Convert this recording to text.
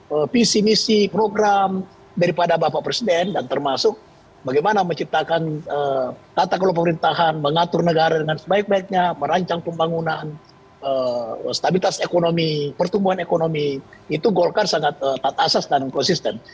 bahwa visi misi program daripada bapak presiden dan termasuk bagaimana menciptakan tata kelola pemerintahan mengatur negara dengan sebaik baiknya merancang pembangunan stabilitas ekonomi pertumbuhan ekonomi itu golkar sangat taat asas dan konsisten